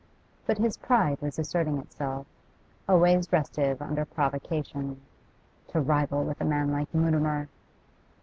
But his pride was asserting itself, always restive under provocation. To rival with a man like Mutimer!